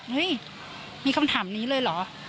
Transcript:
เฮ้ยมีคำถามนี้เลยเหรอ